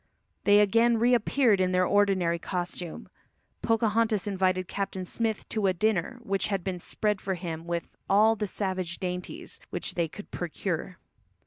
They again reappeared in their ordinary costume. Pocahontas invited Captain Smith to a dinner which had been spread for him with "all the savage dainties" which they could procure.